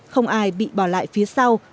không ai bị bỏ lại phía sau